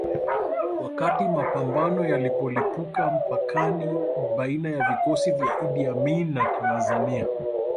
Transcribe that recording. Wakati mapambano yalipolipuka mpakani baina ya vikosi vya Idi Amini na Tanzania